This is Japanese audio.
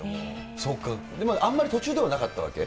そっか、でもあんまり途中ではなかったわけ？